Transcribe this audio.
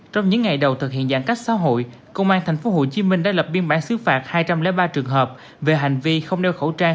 trong những ngày đầu thực hiện giãn cách xã hội công an tp hcm đã lập biên bản xứ phạt hai trăm linh ba trường hợp về hành vi không đeo khẩu trang